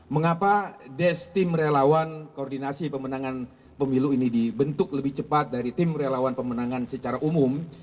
mengapa des tim relawan koordinasi pemenangan pemilu ini dibentuk lebih cepat dari tim relawan pemenangan secara umum